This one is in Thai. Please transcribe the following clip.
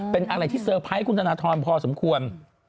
เป็นอะไรที่เซอร์ไพรส์คุณธนทรพอสมควร